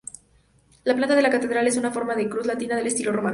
La planta de la catedral es en forma de cruz latina de estilo románico.